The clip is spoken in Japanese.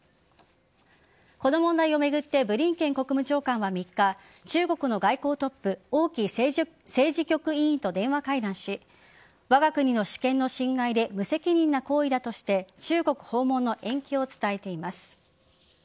この問題を巡ってブリンケン国務長官は３日中国の外交トップ王毅政治局委員と電話会談しわが国の主権の侵害で無責任な行為だとして中国訪問の延期を伝えています。